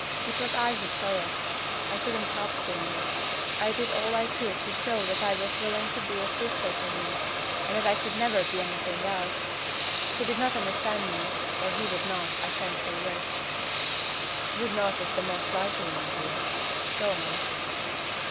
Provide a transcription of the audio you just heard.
It was I who saw it. I couldn't help seeing it. I did all I could to show that I was willing to be a sister to him, and that I could never be anything else. He did not understand me, or he would not, I can't say which." "'Would not,' is the most likely, my dear. Go on."